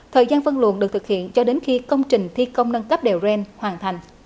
thời gian phân luồn được thực hiện cho đến khi công trình thi công nâng cấp đèo ren hoàn thành